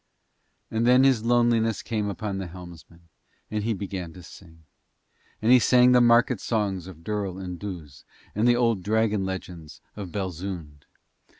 And then his loneliness came upon the helmsman, and he began to sing. And he sang the market songs of Durl and Duz, and the old dragon legends of Belzoond.